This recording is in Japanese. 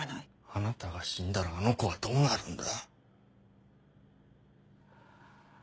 あなたが死んだらあの子はどうなるんだ。